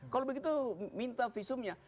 kalau begitu minta visumnya